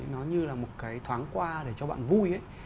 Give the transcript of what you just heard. nó như là một cái thoáng qua để cho bạn vui ấy